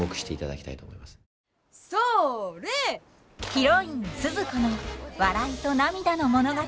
ヒロインスズ子の笑いと涙の物語。